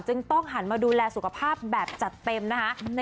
ต้องหันมาดูแลสุขภาพแบบจัดเต็มนะคะ